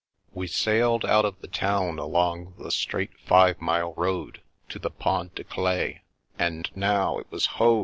We sailed out of the town along the straight five mile road to the Pont de Claix, and now it was ho